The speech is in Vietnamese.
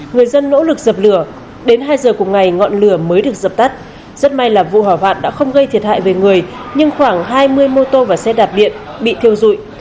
người dân nỗ lực dập lửa đến hai giờ cùng ngày ngọn lửa mới được dập tắt rất may là vụ hỏa hoạn đã không gây thiệt hại về người nhưng khoảng hai mươi mô tô và xe đạp điện bị thiêu dụi